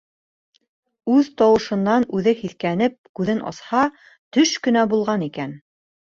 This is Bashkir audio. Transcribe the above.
Үҙ тауышынан үҙе һиҫкәнеп күҙен асһа, төш кенә булған икән...